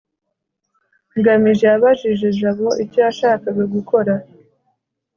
ngamije yabajije jabo icyo yashakaga gukora